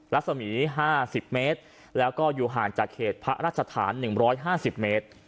รัศมี๕๐เมตรแล้วก็อยู่ห่างจากเขตพระราชฐาน๑๕๐เมตร